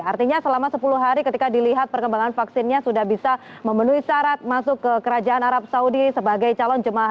artinya selama sepuluh hari ketika dilihat perkembangan vaksinnya sudah bisa memenuhi syarat masuk ke kerajaan arab saudi sebagai calon jemaah